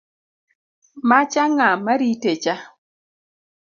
Macha ng’a maritecha